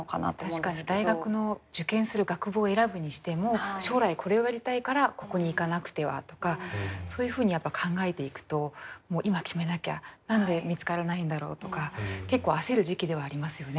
確かに大学の受験する学部を選ぶにしても将来これをやりたいからここに行かなくてはとかそういうふうに考えていくともう今決めなきゃ何で見つからないんだろうとか結構焦る時期ではありますよね。